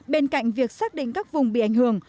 bên cạnh việc xác định các vùng bị ảnh hưởng